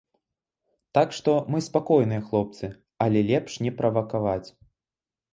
Так што, мы спакойныя хлопцы, але лепш не правакаваць.